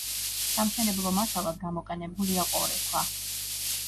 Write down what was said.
სამშენებლო მასალად გამოყენებულია ყორექვა.